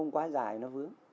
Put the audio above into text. nó quá dài nó vướng